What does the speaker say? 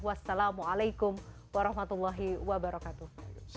wassalamualaikum warahmatullahi wabarakatuh